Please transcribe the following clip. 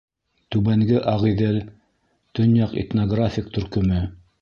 Түбәнге Ағиҙел; төньяҡ этнографик төркөмө.